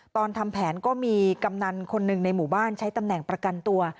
ตอนทำแผนก็มีกำนันคนหนึ่งในหมู่บ้านใช้ตำแหน่งประกันตัว